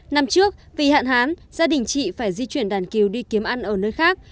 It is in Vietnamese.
năm trước vì hạn hán gia đình chị phải di chuyển đàn kiều đi kiếm ăn ở nơi khác